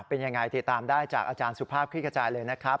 เป็นยังไงติดตามได้จากอาจารย์สุภาพคลิกกระจายเลยนะครับ